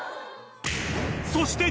［そして］